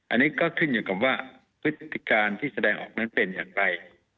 อันนี้ก็ขึ้นอยู่กับว่าพฤติการที่แสดงออกนั้นเป็นอย่างไร